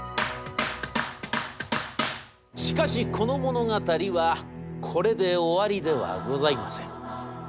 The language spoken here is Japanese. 「しかしこの物語はこれで終わりではございません。